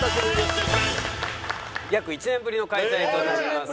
約１年ぶりの開催となります。